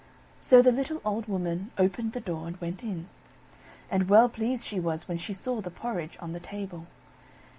So the little old Woman opened the door, and went in; and well pleased she was when she saw the porridge on the table.